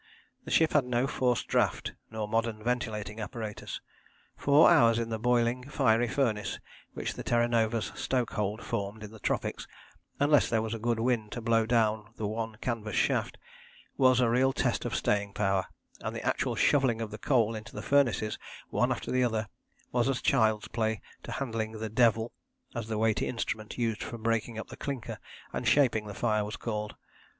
The ship had no forced draught nor modern ventilating apparatus. Four hours in the boiling fiery furnace which the Terra Nova's stokehold formed in the tropics, unless there was a good wind to blow down the one canvas shaft, was a real test of staying power, and the actual shovelling of the coal into the furnaces, one after the other, was as child's play to handling the 'devil,' as the weighty instrument used for breaking up the clinker and shaping the fire was called.